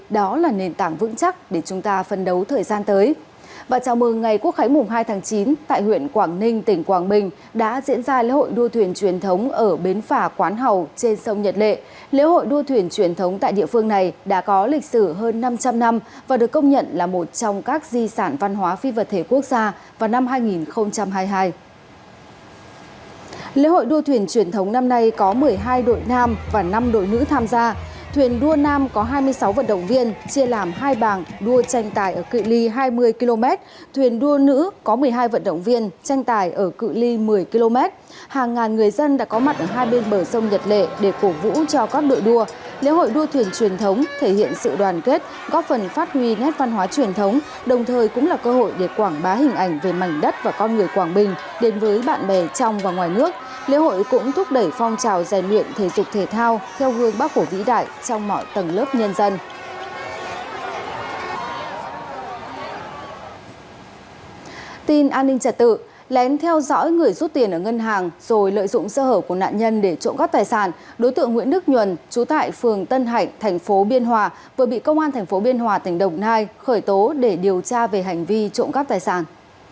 đối tượng nguyễn đức nhuần chú tại phường tân hạnh thành phố biên hòa vừa bị công an thành phố biên hòa tỉnh đồng nai khởi tố để điều tra về hành vi trộm các tài sản